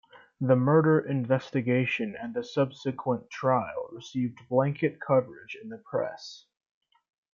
The murder investigation and the subsequent trial received blanket coverage in the press.